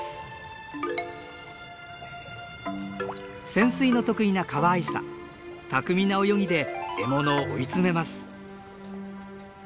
潜水の得意なカワアイサ巧みな泳ぎで獲物を追い詰めます。